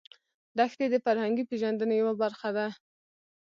دښتې د فرهنګي پیژندنې یوه برخه ده.